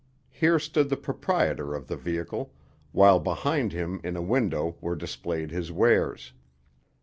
Here stood the proprietor of the vehicle, while behind him in a window were displayed his wares.